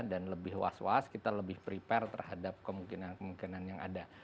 dan lebih was was kita lebih prepare terhadap kemungkinan kemungkinan yang ada